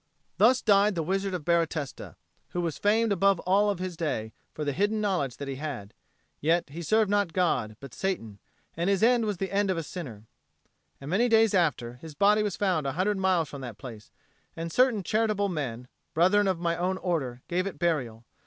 Thus died the Wizard of Baratesta, who was famed above all of his day for the hidden knowledge that he had; yet he served not God, but Satan, and his end was the end of a sinner. And, many days after, his body was found a hundred miles from that place; and certain charitable men, brethren of my own order, gave it burial.